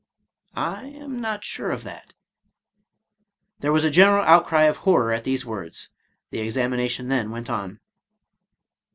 —" I am not sure of that." There was a general outcry of horror at these words. The examination then went on.